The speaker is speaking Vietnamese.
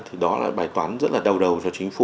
thì đó là bài toán rất là đầu đầu cho chính phủ